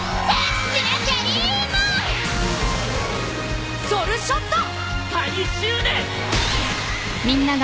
あっ！？